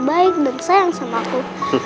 baik dan sayang sama aku